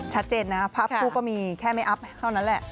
ชัดเจนนะภาพคู่ก็มีแค่ไม่อัพเท่านั้นแหละ